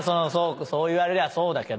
そう言われりゃそうだけど。